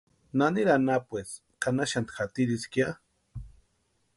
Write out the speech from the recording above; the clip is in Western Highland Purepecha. ¿Naniri anapueski ka na xanti jatiriski ya?